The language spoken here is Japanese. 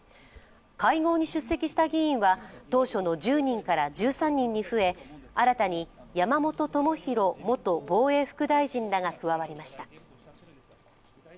会合に出席した議員は当初の１０人から１３人に増え新たに山本朋広元防衛副大臣らが加わりました。